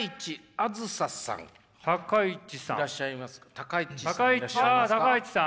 あ高市さん？